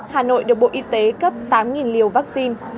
hà nội được bộ y tế cấp tám liều vaccine